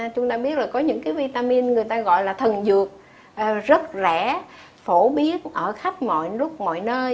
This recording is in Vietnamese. chúng ta biết là có những vitamin người ta gọi là thần dược rất rẻ phổ biến ở khắp mọi nơi